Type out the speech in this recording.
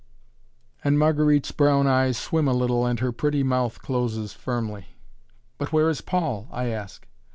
And Marguerite's brown eyes swim a little and her pretty mouth closes firmly. "But where is Paul?" I ask.